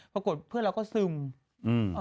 ปรากฏเพื่อนเราก็ซึมอืม